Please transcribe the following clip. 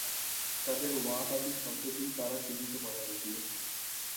তাদের "ওয়াহাবি" শব্দটি দ্বারা চিহ্নিত করা হয়েছিল।